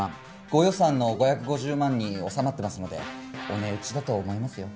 ご予算の５５０万に収まってますのでお値打ちだと思いますよ。